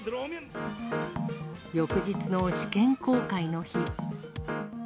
翌日の試験航海の日。